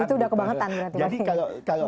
itu sudah kebangetan berarti lagi